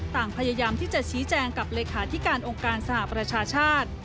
ต่างพยายามที่จะชี้แจงกับเลขาธิการองค์การสหประชาชาติ